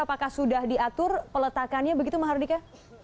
apakah sudah diatur peletakannya begitu mahardika